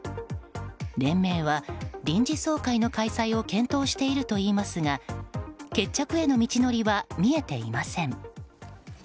連盟は、臨時総会の開催を検討しているといいますが決着への道のりは見えていません。